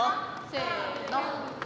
せの。